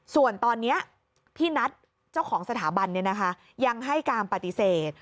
ส่วนตอนนี้พี่นัทเจ้าของสถาบันยังให้การปฏิเสธ